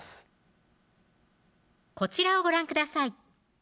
こちらをご覧ください